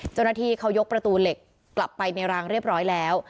เจ้าหน้าที่เขายกประตูเหล็กกลับไปในรางเรียบร้อยแล้ว